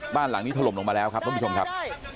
บ้านหลังนี้ถล่มลงมาแล้วครับท่านผู้ชมครับ